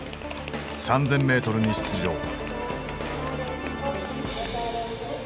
３，０００ｍに出場。